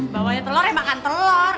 bawanya telor ya makan telor